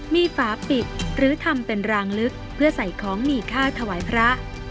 มีฝาปิดหรือทำเป็นรางลึกเพื่อใส่ของมีค่าถวายพระ